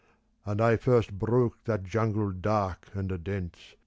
And I first broke that jungle dark and dense.